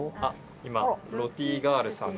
「今ロティガールさんで」